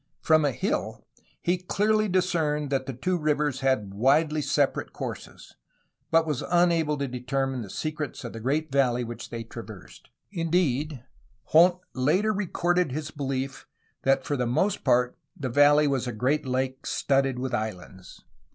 From a hill he clearly discerned that the two rivers had widely separate courses, but was unable to determine the secrets of the great valley which they traversed; indeed, Font later recorded his belief that for the most part the valley was a great lake, studded with islands.